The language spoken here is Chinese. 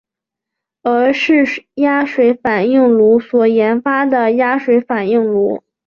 俄式压水反应炉所研发的压水反应炉。